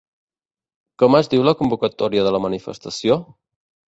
Com es diu la convocatòria de la manifestació?